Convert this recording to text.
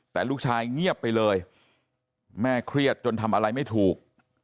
แต่ลูกชายเงียบไปเลยแม่เครียดจนทำอะไรไม่ถูก